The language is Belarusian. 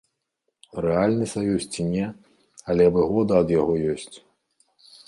Рэальны саюз ці не, але выгода ад яго ёсць.